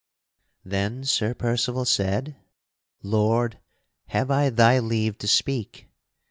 Then Sir Percival said: "Lord, have I thy leave to speak?"